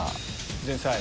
前菜。